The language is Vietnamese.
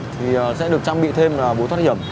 thì sẽ được trang bị thêm bố thoát hiểm